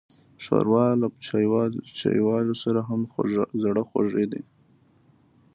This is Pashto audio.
ښوروا له چايوالو سره هم زړهخوږې ده.